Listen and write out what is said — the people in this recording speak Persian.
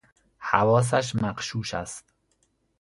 حواسش مغشوش است